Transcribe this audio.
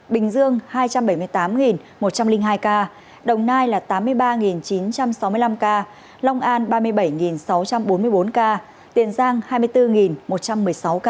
bình dương hai trăm bảy mươi tám một trăm linh hai ca đồng nai là tám mươi ba chín trăm sáu mươi năm ca long an ba mươi bảy sáu trăm bốn mươi bốn ca tiền giang hai mươi bốn một trăm một mươi sáu ca